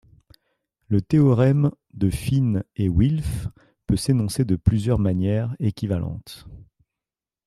Le théorème de Fine et Wilf peut s'énoncer de plusieurs manières équivalentes.